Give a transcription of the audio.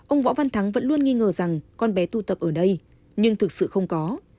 ông võ văn thắng vẫn luôn nghi ngờ rằng con bé tu tập ở đây nhưng thực sự không có